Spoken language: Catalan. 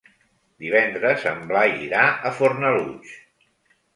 Divendres en Blai irà a Fornalutx.